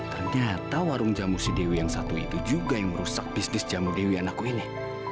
ternyata warung jamu si dewi yang satu itu juga yang merusak bisnis jamu dewi anaku ini